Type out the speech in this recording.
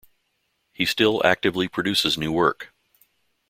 He still actively produces new work.